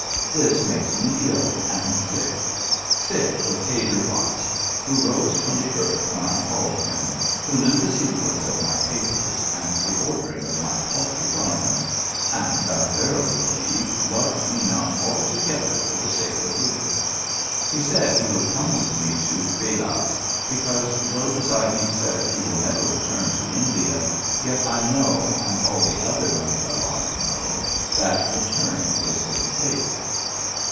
This makes me ill and sick — sick for Kadir Baksh, who rose from the earth when I called him, who knew the sequence of my papers and the ordering of my paltry gar ments, and, I verily believed, loved me not alto gether for the sake of lucre. He said he would come with me to Belait because, though the sahib says he will never return to India, yet I know, and all the other ncmker log know, that re turn is his fate.